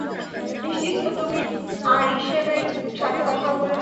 নিশ্চিত তো তুমি আরিশেমের সাথে কথা বলেছ?